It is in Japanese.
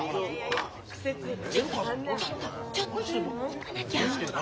ちょっとちょっとちょっと行かなきゃ。